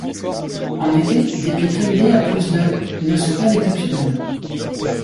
En été, des pics réguliers à plus de ne sont pas exceptionnels.